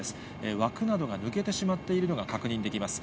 枠などが抜けてしまっているのが確認できます。